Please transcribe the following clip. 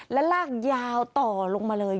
และลากยาวต่อลงมาเลย